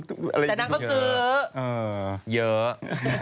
แต่นั่งซื้อเยอะ